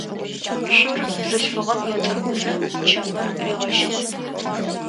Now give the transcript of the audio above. Цур бзылъфыгъэм етӏыргузэ чэмыр ригъэщыгъэп.